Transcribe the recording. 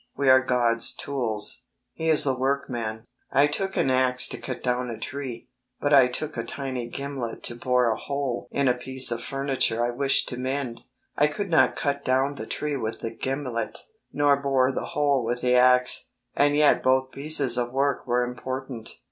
We are God's tools. He is the Workman. I took an axe to cut down a tree ; but I took a tiny gimlet to bore a hole in a piece of furniture I wished to mend. I could not cut down the tree with the gimlet, nor bore the hole with the axe, and yet both pieces of work were important.